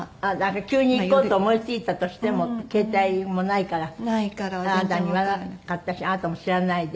急に行こうと思いついたとしても携帯もないからあなたに言わなかったしあなたも知らないで。